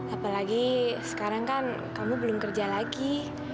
apalagi sekarang kan kamu belum kerja lagi